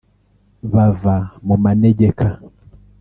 bava mu manegeka